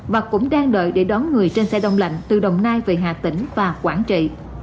và cũng đang đợi để đón người trên xe đông lạnh từ đồng nai về hà tĩnh và quảng trị